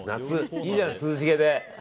いいじゃないですか、涼しげで。